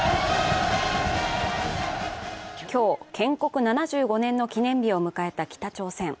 今日建国７５年の記念日を迎えた北朝鮮。